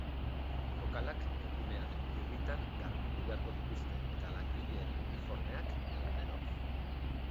Lokalak egunean birritan garbitu beharko dituzte, eta langileen uniformeak, egunero.